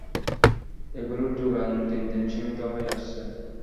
এগুলোর জোগান দিনদিন সীমিত হয়ে আসছে।